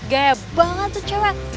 ge banget tuh cewek